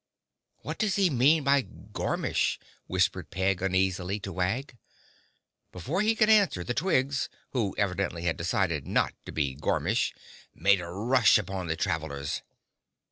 "What does he mean by gormish?" whispered Peg uneasily to Wag. Before he could answer, the Twigs, who evidently had decided not to be gormish, made a rush upon the travelers.